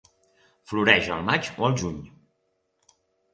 Floreix al maig o al juny.